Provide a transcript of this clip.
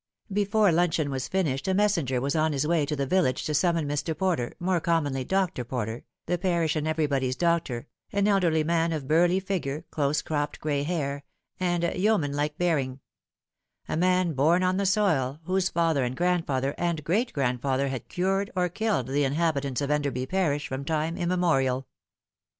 Before luncheon was finished a messenger was on his way to the village to summon Mr. Porter, more commonly Dr. Porter, the parish and everybody's doctor, an elderly man of burly figure, close cropped gray hair, and yeoman like bearing a man born on the soil, whose father and grandfather and great grandfather had cured or killed the inhabitants of Enderby parish from time immemorial.